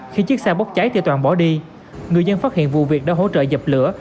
khi chiếc xe bốc cháy thì toàn bỏ đi người dân phát hiện vụ việc đã hỗ trợ dập lửa